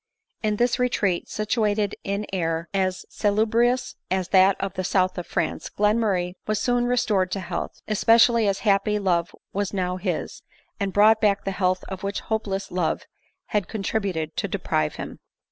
In this retreat, situated in air as salubrious as that of the south of France, Glenmurray was soon restored to health, especially ae happy love was now his, and ' brought back the health of which hopeless love had con tributed to deprive him.